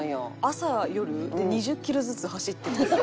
朝夜で２０キロずつ走ってるんです。